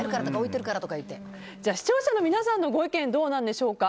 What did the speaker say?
視聴者の皆さんのご意見どうなんでしょうか？